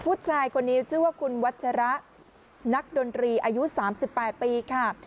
ผู้ชายคนนี้ชื่อว่าคุณวัชระนักดนตรีอายุ๓๘ปีค่ะ